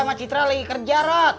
mas cintra lagi kerja